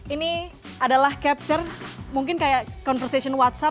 ini adalah capture mungkin kayak conversation whatsapp